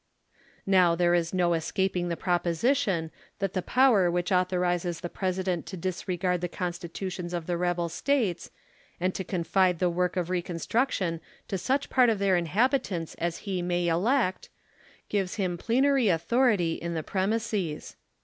14 Xow there is no escaping tlie proposition, that the power which authorizes the President to disregard the Constitutions of tlie rebel States, and to confide the work of reconstruction to such part of their inliabitants as he may elect, gives him plenary authority in the premises.